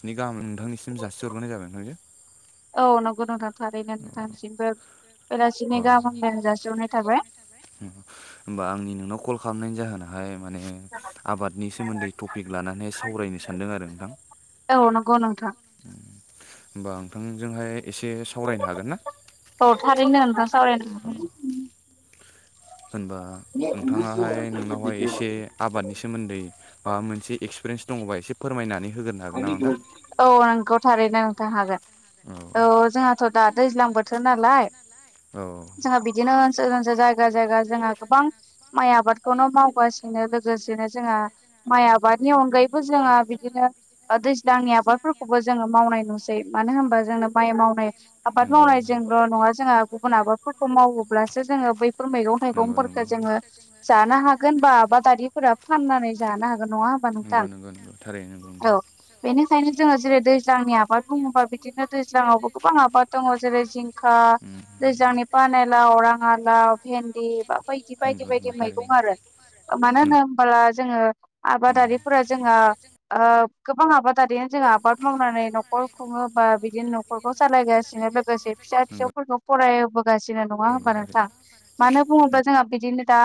सिनि गाहाम नोंथांनिसिम जासि हरग्रोनाय जाबाय नोंथांजो। औ नंगौ नोंथां थारैनो नोंथांसिमबो बेलासिनि गाहाम हामलायनाय जासिहरनाय थाबाय। ओम होमबा आंनि नोंनाव कल खालामनायनि जाहोनाहाय माने आबादनि सोमोन्दै टपिक लानानै सावरायनो सानदों आरो नोंथां। होमबा नोंथांजोंहाय एसे सावरायनो हागोनना? औ थारैनो नोंथां सावरायनो हागोन होनबा नोंथाङाहाय नोंनावहाय एसे आबादनि सोमोन्दै माबा मोनसे एक्सपिरियेन्स दङबा एसे फोरमायनानै होगोन ना [unintelligible] औ आं इखौ थारैनो नोंथां हागोन। औ जोंहाथ' दा दैज्लां बोथोर नालाय औ। जोंहा बिदिनो ओनसोल ओनसोल जायगा जायगा जोंहा गोबां माइ आबादखौनो मावगासिनो लोगोसेनो जोंहा माइ आबादनि अनगायैबो जोंहा बिदिनो ओ दैज्लांनि आबादफोरखौबो जोङो मावनाय नुसै। मानो होनबा जोंनो माइ मावनाय आबाद मावनायजोंल' नङा जोंहा गुबुन आबादफोरखौ मावो। अब्लासो जोङो बैफोर मैगं थाइगंफोरखो जोङो जानो हागोन बा आबादारिफोरा फाननानै जानो हागोन नङा नंगौ नंगौ नंगौ थारैनो ओं। औ बेनिखायनो जोङो जेरै दैज्लांनि आबाद बुङोबा बिदिनो दैज्लाङावबो गोबां आबाद दङ जेरै जिंखा दैज्लांनि पानिलाव राङालाव भेन्दि बा बायदि बायदि बायदि मैगं आरो। मानो होनो होमबोला जोङो आबादारिफोरा जोंहा ओ गोबां आबादारिनो जोंहा आबाद मावनानै न'खर खुङो बा बिदिनो न'खरखौ सालायगासिनो लोगोसे फिसा फिसौफोरखौ फराय हो बोगासिनो नङा होनबा नोंथां। मानो बुङोबा जोंहा बिदिनो दा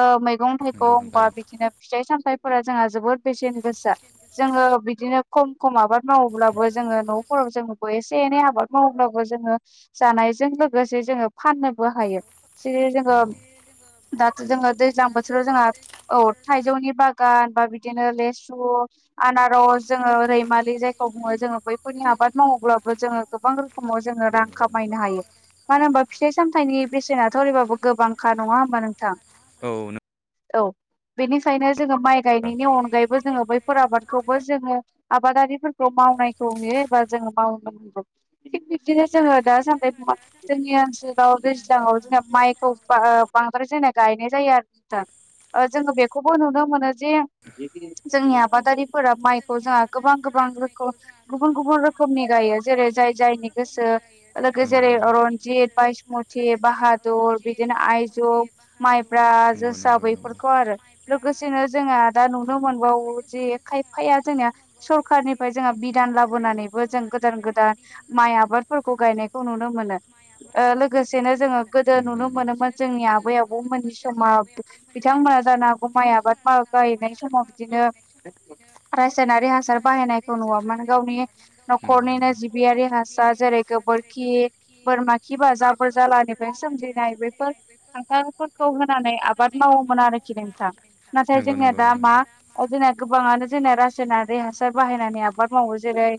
ओ मैगं थाइगं बा बिदिनो फिथाइ सामथाइफोरा जोंहा जोबोद बेसेन गोसा। जोङो बिदिनो खम खम आबाद मावोब्लाबो जोङो न'फोराव जों एसे एनै आबाद मावोब्लाबो जोङो जानायजों लोगोसे जोङो फाननोबो हायो। जि जोङो दाथ' जोङो दैज्लां बोथोराव जोंहा औ थाइजौनि बागान बा बिदिनो लेसु आनारस जोङो रैमालि जायखौ बुङो जोङो बैफोरनि आबाद मावोब्लाबो जोङो गोबां रोखोमाव जोङो रां खामायनो हायो। मानो होनबा फिथाइ सामथाइनि बेसेनाथ' ओरैबाबो गोबांखा नङा होमबा नोंथां? औ नों औ बेनिखायनो जोङो माइ गायनायनि अनगायैबो जोङो बै फोर आबादखौबो जोङो आबादारिफोरखौ मावनायखौ नुयो एबा जोङो मावनांगौ। थिग बिब्दिनो जोङो दा सानदै [unintelligible] जोंनि ओनसोलाव दैज्लाङाव जोंना माइखौ ओ बांद्राय जोंना गायनाय जायो आरो नोंथां। ओ जोङो बेखौबो नुनो मोनो जे जोंनिया आबादारिफोरा माइखौ जोंहा गोबां गोबां रोखोम गुबुन गुबुन रोखोमनि गायो। जेरै जाय जायनि गोसो लोगो जेरै रनजित बायसमुथि, बाहादुर बिदिनो आइजं, माइब्रा जोसा बैफोरखौ आरो लोगोसेनो जोंहा दा नुनो मोनबावो जे खायफाया जोंनिया सरखारनिफ्राय जोंहा बिदान लाबोनानैबो जों गोदान गोदान माइ आबादफोरखौ गायनायखौ नुनो मोनो। ओ लोगोसेनो जोङो गोदो नुनो मोनोमोन जोंनि आबै आबौमोननि समाव बिथांमोना जानागौ माइ आबाद गायनाय समाव बिदिनो रासायनारि हासार बाहायनायखौ नुवामोन गावनि नखरनिनो जि बियारि हासार जेरै गोबोरखि बोरमा खि बा जाबोर जालानिफ्राय सोमजिनाय बेफोर हासारफोरखौ होनानै आबाद मावोमोन आरोखि नोंथां। नाथाय जोंनिया दा मा ओ जोंना गोबाङानो जोंना रासायनारि हासार बाहायनानै आबाद मावो जेरै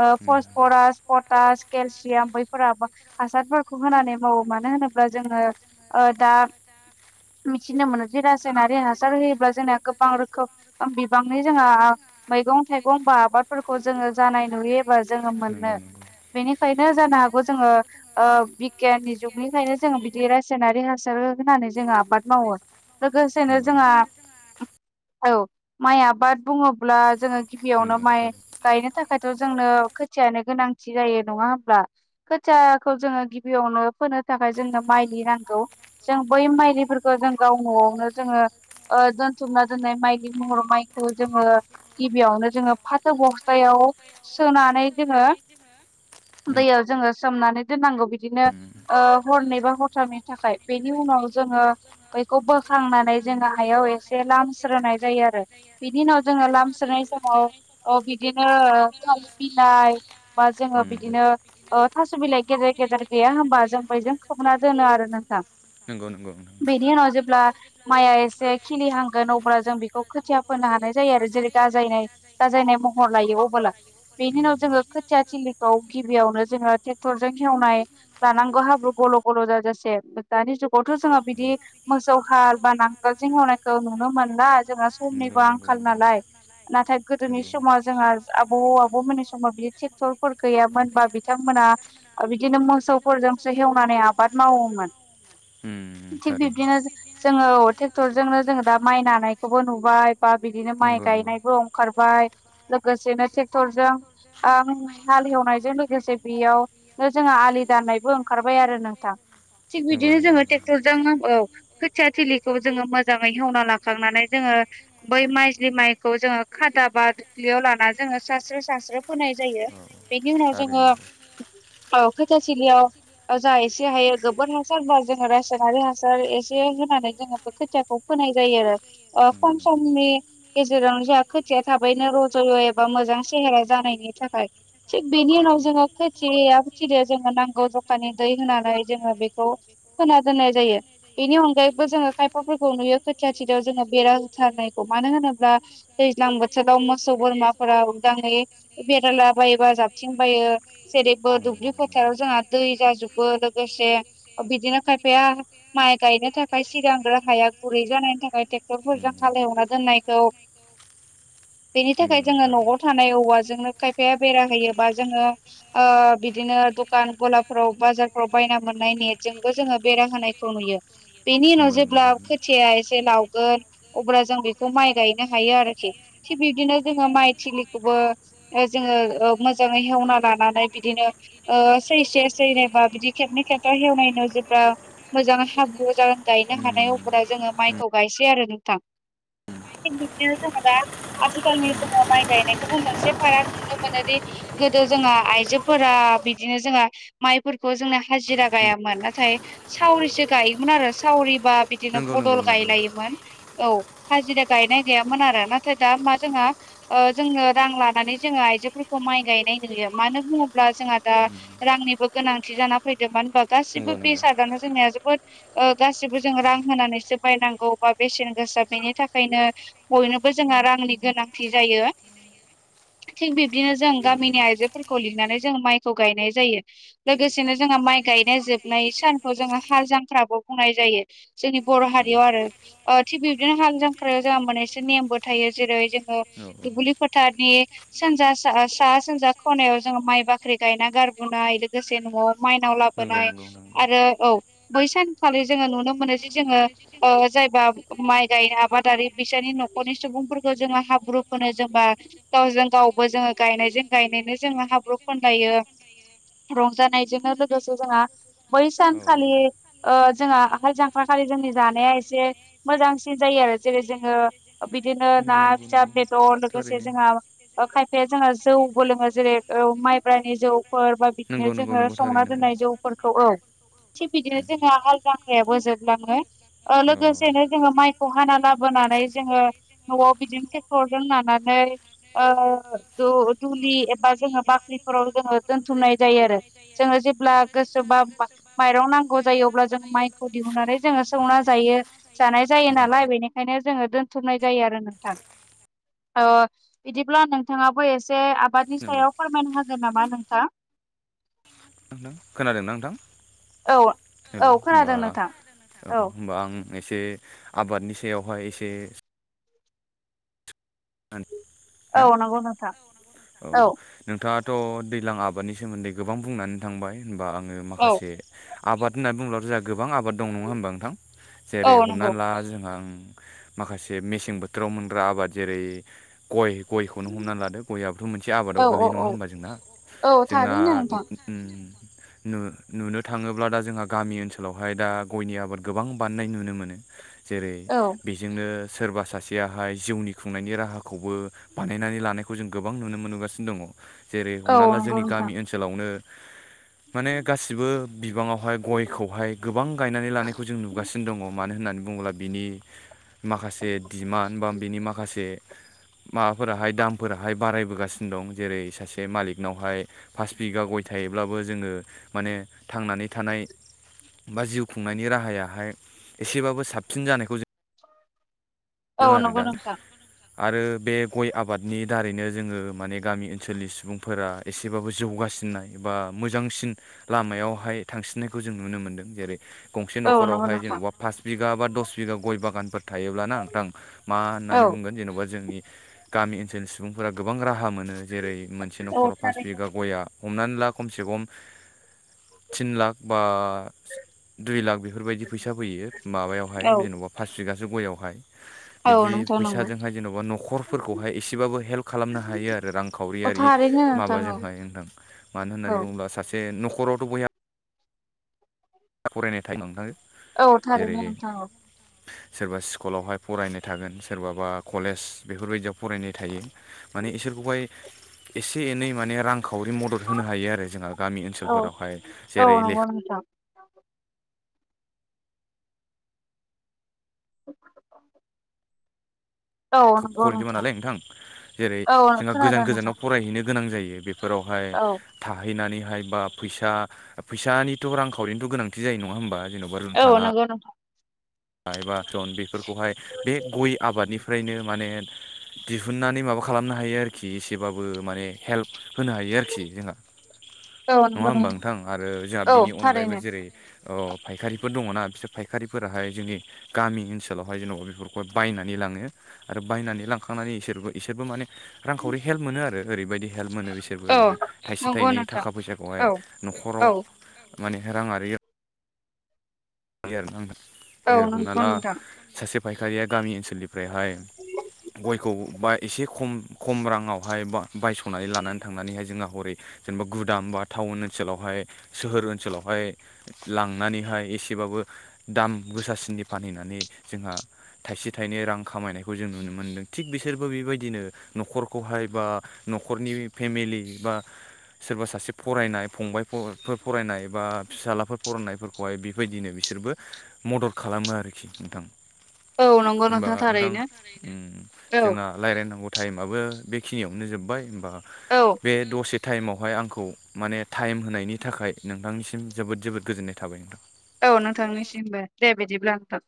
ओ फसफरास, पटास, केलसियाम बैफोरआबा हासारफोरखौ होनानै मावो मानो होनोब्ला जोङो ओ दा मिथिनो मोनोदि रासायनारि हासार होयोब्ला जोंना गोबां रोखोम [unintelligible] बि गोबाङै जोंहा मैगं थाइगं बा आबादफोरखौ जोङो जानाय नुयो एबा जोङो मोनो। बेनिखायनो जानो हागौ जोङो ओ बिगियाननि जुगनिखायनो जोङो बिदि रासायनारि हासार होनानै जोङो आबाद मावो। लोगोसेनो जोंहा [inaudible] औ माइ आबाद बुङोब्ला जोङो गिबियावनो माइ गायनो था खायथ' जोंनो खोथियानो गोनांथि जायो नङा होमब्ला? खोथियाखौ जोङो गिबियावनो फोनो थाखाय जोंनो माइलि नांगौ जों बै माइलिफोरखौ जों गाव नआवनो जोङो ओ दोनथुमना दोननाय माइदि महरआव माइखौ जोङो गिबियावनो जोङो फाथो बसथायाव सोनानै जोङो, दैयाव जोङो सोमनानै दोननांगौ बिदिनो ओ हरनै बा हरथामनि थाखाय बेनि उनाव जोङो बैखौ बोखांनानै जोङो हायाव एसे लामस्रोनाय जायो आरो। बिनि उनाव जोङो लामस्रोनाय समाव ओ बिदिनो थालिर बिलाइ बा जोङो बिदिनो ओ थासबिलाइ गेदेर गेदेर गैया होनबा जों बैजों खोबना दोनो आरो नोंथां। बिनि उनाव जेब्ला माइआ एसे खिलिहांगोन अब्ला जों बेखौ खोथिया फोनो हानाय जायो आरो जेरै गाजायनाय गाजायनाय महर लायो अबोला। बेनि उनाव जोङो खोथिया थिलिखौ गिबियावनो जोङो ट्रेक्टरजों हेवनाय लानांगौ हाब्रु गल गल जाजासे दानि जुगावथ जोङो बिदि मोसौ हाल बा नांगोल जों एवनायखौ नुनो मोनला जोंङो समनिबो आंखाल नालाय। नाथाय गोदोनि समाव जोंहा आबौ आबौमोननि समाव बिदि ट्रेक्टरफोर गैयामोन बा बि बिथांमोना बिदिनो मोसौफोरजोंसो हेवनानै आबाद मावोमोन। होम थिग बिब्दिनो जोङो ट्रेक्टरजोंनो जोङो दा माइ नानायखौबो नुबाय। बा बिदिनो माइ गायनायबो ओंखारबाय लोगोसेनो ट्रेक्टरजों आ हाल एवनायजों लोगोसे बेयाव जोंहा आलि दाननायबो ओंखारबाय आरो नोंथां। थिग बिदिनो जोङो ट्रेक्टरजों औ खोथिया थिलिखौ जोङो मोजाङै हेवना लाखांनानै जोङो। बै माइलि माइखौ जोङो खादाबा फख्लियाव लाना जोङो सास्रो सास्रो फोनाय जायो बेनि उनाव जोङो औ खोथिया थिलियाव जा एसे हायो गोबोर हासारबा जोङो रासायनारि हासार एसे होनानै जोङो बे खोथि फोनाय जायो आरो। ओ खम समनि गेजेरावनो जोंहा खोथिया थाबैनो रजयो एबा मोजां सेहेरा जानायनि थाखाय थिग बेनि उनाव जोङो खोथिया थिलियाव जोङो नांगौ जखानि दै होनानै जोङो बेखौ खोना दोननाय जायो। बेनि अनगायैबो जोङो खायफाफोरखौ नुयो खोथिया थिलियाव जोङो बेरा बथारनायखौ मानो होनोब्ला दैज्लां बोथोराव मोसौ बोरमाफोरा उदाङै बेराला बायो बा जाबथिं बायो जेरैबो दुब्लि फोथायाव जोंहा दै जाजोबो लोगोसे ओ बिदिनो खायफाया माइ गायनो थाखाय सिगांग्रो हाया गुरै जानायनि थाखाय ट्रेक्टरफोरजों हालेवना दोननायखौ बिनि थाखाय जोङो नआव थानाय औवाजोंनो खायफाया बेरा होयो बा जोङो ओ बिदिनो दखान गलाफ्राव बाजारफ्राव बायना मोननाय नेटजोंबो जोङो बेरा होनायखौ नुयो बेनि उनाव जेब्ला खोथिया एसे लावगोन अब्ला जों बेखौ माइ गायनो हायो आरोखि। थिग बिब्दिनो जोङो माइ थिलिखौबो जोङो मोजाङै हेवना लानानै बिदिनो ओ सैसे सैनै बिदि खेबनै खेबथा हेवनायनो जेब्ला मोजां हाब्रु जागोन गायनो हानाय अबारा जोङो माइखौ गायसै आरो नोंथां। बिदिनो जोङो दा आथिखालनि जोङो माय गायनायखौबो मोनसे फाराग नुनो मोनोदि गोदो जोंहा आइजोफोरा बिदिनो जोंहा माइफोरखौ जोंनो हाजिरा गायामोन नाथाय सावरिसो गायोमोन आरो सावरिबा बि बिदिनो बदल गायलायोमोन औ हाजिरा गायनाय गैयामोन आरो नाथाय दा मा जोंहा ओ जोङनो रां लानानै जोङो आइजोफोरखौ माइ गायनाय नुयो। मानो बुङोब्ला जोंहा दा रांनिबो गोनांथि जाना फैदों मानो होनबा गासिबो बेसाद दानो जोंनिया जोबोद ओ गासिबो जों रां होनानैसो बायनांगौ बा बेसेन लोगोसे बेनि थाखायनो बयनोबो जोंहा रांनि गोनांथि जायो। थिग बिब्दिनो जों गामिनि आइजोफोरखौ लिंनानै जों माइखौ गायनाय जायो। लोगोसेनो जोंहा माइ गायनाय जोबनाय सानखौ जोङो हाल जांख्राबो बुंनाय जायो। जोंनि बर हारियाव आरो ओ थि बिब्दिनो हाल जांख्रायाव जोंहा मोनैसो नेमबो थायो। जेरै जोङो दुब्लि फोथारनि सा सानजा खनायाव जोङो माइ बाख्रि गायना गारबोनाय लोगोसे नआव माइनाव लाब होनाय आरो औ बै सानखालि जोङो नुनो मोनो जे जोङो ओ जायबा माइ गाय आबादारि बिसोरनि नखरनि सुबुंफोरखौ जोङो हाब्रु फो जेनेबा गावजों गावबो जोङो गायनायजों गायनायनो जोङो हाब्रु फोनलायो। रंजानायजोंनो लोगोसे जोंहा बै सानखालि ओ जोंहा हाल जांखाखलि जोंनि जानाया एसे मोजांसिन जायो आरो। जेरै जोङो बिदिनो ना फिसा बेदर लोगोसे जोंहा खायफाया जोंना जौबो लोङो जेरै माइब्रानि जौफोर बा बिदिनो जोङो संना दोननाय जौ फोरखो औ थिग बिदिनो जोंहा हाल जांख्रायाबो जोबलाङो लोगोसेनो जोङो माइखौ हाना लाबोनानै जोङो न'आव बिदिनो ट्रेक्टरजों लानानै ओ दुलि एबा जोङो बाख्रिफोराव जोङो दोनथुमनाय जायो आरो। जोङो जेब्ला गोसोबा माइरं नांगौ जायो अब्ला जों माइखौ दिहुननानै जोङो सौना जायो। जानाय जायो नालाय बेनिखायनो जोङो दोनथुमनाय जायो आरो नोंथां ओ बिदिब्ला नोंथाङाबो एसे आबादनि सायाव फोरमायनो होगोन नामा नोंथां? खोनादों ना नोंथां? औ। हेलौ होमबा औ होनोमबा आं एसे आबादनि सायावहाय एसे ना औ नोंथाङाथ दैज्लां आबादनि सोमोन्दै गोबां बुंनानै थांबाय होनबा आङो माखासे आबाद होननानै बुंङोब्लालाथ जोंहा गोबां आबाद दं नङा। होनबा नोंथां जेरै हमनानै ला जोंहा माखासे मेसें बोथोराव मोनग्रा आबाद जेरै, गय गयखौनो हमना लादो गयआाबोथ मोनसे आबादाव गोलै नङा होनबा जोंना जोंना ओम। नुनो थाङोब्ला दा जोंहा गामि ओनसोलावहाय दा गयनि आबाद गोबां बानायनाय नुनो मोनो जेरै बेजोंनो सोरबा सासेयाहाय जिउनि खुंनायनि राहाखौ खौबो बानायनानै लानायखौ जों गोबां नुनो मोनगासिनो दङ'। जेरै हमना ला जोंनि गामि ओनसोलाव ओनसोलावनो माने गासिबो बिबाङावहाय गयखौहाय गोबां गायनानै लानायखौ जों नुगासिनो दङ'। मानो होननानै बुङोब्ला बिनि माखासे दिमान्ड बा बिनि माखासे माबाफोराहाय दामफोराहाय बारायबोगासिनो दं जेरै सासे मालिकनावहाय फास बिगा गय थायोब्लाबो जोङो माने थांनानै थानाय। बा जिउ खुंनायनि राहायाहाय एसेबाबो साबसिन जानायखौ जों दों आरो दा आरो बे गय आबादनि दारैनो जोङो माने गामि ओनसोलनि सुबुंफोरा एसेबाबो जौगासिननाय बा मोजांसिन लामायावहाय थांसिननायखौ जों नुनो मोन्दों जेरै गंसे न'खरावहाय जेन'बा पास बिगा बा दस बिगा गय बागानफोर थायोब्लाना नोंथां मा होननानै बुंगोन जेन'बा जोंनि गामि ओनसोलनि सुबुंफोरा गोबां राहा मोनो। जेरै मोनसे न'खराव पास बिगा गया हमनानै ला खमसे खम थिन लाख बा दुइ लाख बेफोरबायदि फैसा फैयो माबायावहाय जेन'बा पास बिगासो गययावहाय। [inaudible] बिदि फैसाजोंहाय जेन'बा न'खरफोरखौहाय एसेबाबो हेल्प खालामनो हायो आरो रांखावरियारि माबाजोंहाय नोंथां मानो होननानै बुङोब्ला सासे न'खरावथ' बयहा फरायनाय टाइम न थाय जेरै सोरबा स्कुलावहाय फरायनाय थागोन सोरबाबा कलेज बेफोरबायदियाव फरायनाय थायो। माने इसोरखौहाय एसे एनै माने रां रांखावरि मदद होनो हायो आरो जोंहा गामि ओनसोलफोरावहाय जेरै लेखा [unintelligible] [inaudible] खोब खरगोम नालै नोंथां जेरै जोंहा गोजान गोजानाव फरायहैनो गोनां जायो बे फोरावहाय थाहैनानैहाय बा फैसा फैसानिथ' रांखावरिनिथ' गोनांथि जायो नङा होमबा? जेन'बा रुम थाना बेनोथ गाइ बासन बेफोरखौहाय बे गय आबादनि ओरैनो माने दिहुननानै माबा खालामनो हायो आरोखि एसेबाबो माने हेल्प होनो हायो आरोखि जोंहा नङा होमबा नोंथां आरो जोंहा बिनि अनगायैबो जेरै अ फायखारिफोर दङ ना बिसोर फायखारिफोराहाय जोंनि गामि ओनसोलावहाय जेन'बा बेफोरखौहाय बायनानै लाङो आरो बायनानै लांखांनानै इसोरबो इसोरबो माने रांखावरि हेल्प मोनो आरो ओरैबायदि हेल्प मोनो बिसोरबोे थाइसे थाइनै थाखा फैसाखौहाय न'खराव माने रां आरि आरो जेरै हमना ला सासे फायखारिया गामि ओनसोलनि ओमफ्रायहाय गयखौ बा एसे खम खम राङावहाय बा बायस'नानै लानानै थांनानैहाय जोंहा हरै जेनेबा गुदाम बा टाउन ओनसोलावहाय सोहोर ओनसोलावहाय लांनानैहाय एसे बाबो दाम गोसासिननि फानहैनानै जोंहा थाइसे थाइनै रां खामायनायखौ जों नुनो मोन्दों थिग बिसोरबो बेबायदिनो न'खरखौहाय बा न'खरनि फेमिलि बा सोरबा सासे फरायनाय फंबाय फर फोर फरायनाय बा फिसालाफोर फरायनायफोरखौहाय बि बेबायदिनो बिसोरबो मदद खालामो आरोखि नोंथां। होनबा नोंथां ओं जोंना रायज्लायनांगौ टाइमाबबो बेखिनियावनो जोब्बाय होमबा बे दसे टाइमावहाय आंखौ माने टाइम होनायनि थाखाय नोंथांनिसिम जोबोद जोबोद गोजोननाय थाबाय नोंथां। औ नोंथांनिसिमबो दे बिदिब्ला नोंथां